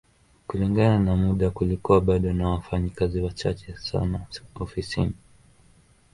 Kulingana na muda kulikuwa bado na wafanyakazi wachache sana ofisini